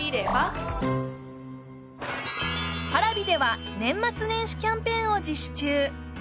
Ｐａｒａｖｉでは年末年始キャンペーンを実施中